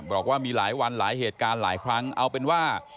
บอกว่ามีหลายวันหลายเหตุการณ์หลายครั้งเอาเป็นว่า